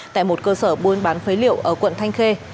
tại một cơ sở buôn bán phế liệu ở quận thanh khê